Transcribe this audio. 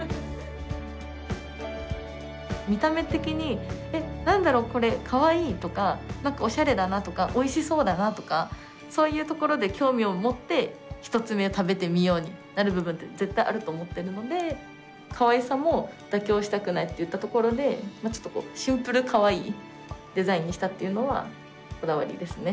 見た目的に「え何だろうこれかわいい！」とか「おしゃれだな」とか「おいしそうだな」とかそういうところで興味を持って「１つ目食べてみよう」になる部分って絶対あると思ってるのでかわいさも妥協したくないといったところでまあちょっとシンプルかわいいデザインにしたっていうのはこだわりですね。